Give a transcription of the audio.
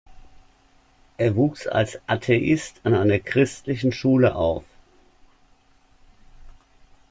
Er wuchs als Atheist an einer christlichen Schule auf.